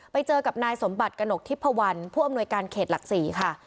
ไปเจอกับนายสมบัติกระหนกทิพพวันผู้อำนวยการเขตหลัก๔ค่ะ